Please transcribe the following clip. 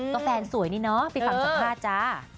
ก็แฟนสวยนี่เนาะไปฟังสภาพจ๊ะ